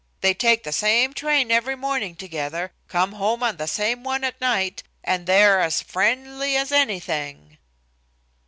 They take the same train every morning together, come home on the same one at night, and they are as friendly as anything."